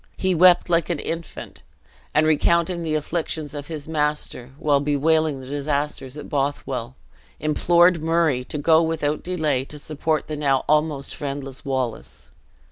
He wept like an infant; and recounting the afflictions of his master, while bewailing the disasters at Bothwell, implored Murray to go without delay to support the now almost friendless Wallace.